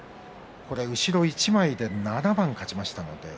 後ろ一枚で７番、勝ちました。